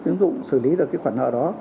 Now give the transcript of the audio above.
sử dụng xử lý được cái khoản nợ đó